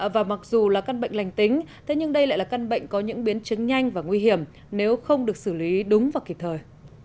và mặc dù là căn bệnh lành tính thế nhưng đây lại là căn bệnh có những biến chứng nhanh và nguy hiểm nếu không được xử lý đúng và kịp thời